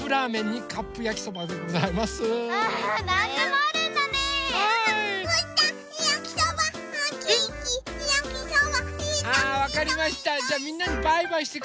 あわかりました。